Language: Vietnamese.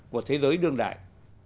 của thế giới đương đại